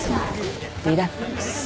リラックス。